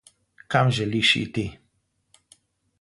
Kam želiš iti?